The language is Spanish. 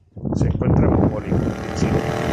Se encuentra en Mongolia y China.